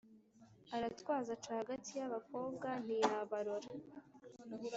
aratwaza aca hagati y'abakobwa ntiyabarora